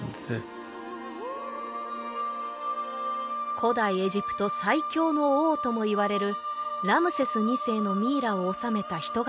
古代エジプト最強の王ともいわれるラムセス２世のミイラを納めた人型